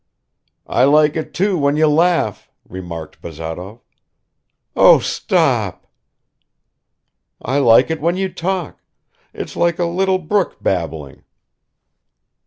"I like it too when you laugh," remarked Bazarov. "Oh, stop!" "I like it when you talk. It's like a little brook babbling."